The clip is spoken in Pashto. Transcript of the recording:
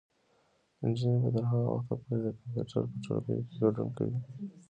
نجونې به تر هغه وخته پورې د کمپیوټر په ټولګیو کې ګډون کوي.